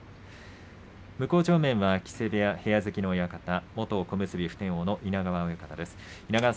向正面は木瀬部屋部屋付きの親方の元小結普天王の稲川親方です。